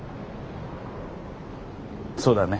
そうだね。